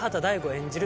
演じる